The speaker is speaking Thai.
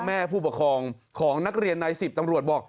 แม่ผู้ปกครองของนักเรียนใน๑๐ตำรวจบอก